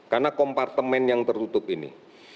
karena kompartemen yang tertutup ini